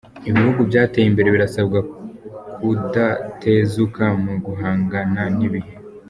Ibihugu byateye imbere birasabwa kudatezuka mu guhangana n’ibihe